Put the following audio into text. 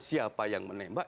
siapa yang menembak